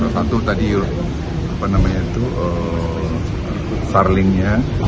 satu tadi itu starlinknya